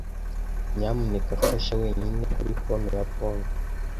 Nyamuneka fasha wenyine kuri pome ya pome.